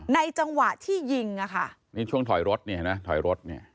จังหวะที่ยิงอ่ะค่ะนี่ช่วงถอยรถนี่เห็นไหมถอยรถเนี่ย